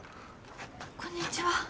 こんにちは。